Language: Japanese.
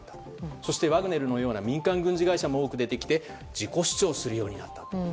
そしてワグネルのような民間軍事会社も出てきて自己主張するようになった。